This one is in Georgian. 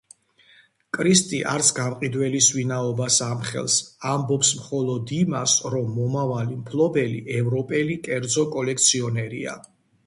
კრისტი არც გამყიდველის ვინაობას ამხელს, ამბობს მხოლოდ იმას, რომ მომავალი მფლობელი ევროპელი კერძო კოლექციონერია.